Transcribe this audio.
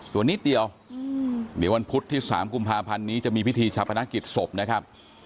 ตัวนิดเดียวเดี๋ยววันพุธที่๓กุมภาพันธ์นี้จะมีพิธีชาพนักกิจศพนะครับ